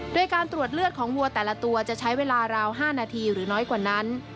โดยการตรวจเลือดของวัวแต่ละตัวจะใช้เวลาราว๕นาทีหรือน้อยกว่านั้น